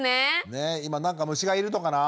今何か虫がいるのかな？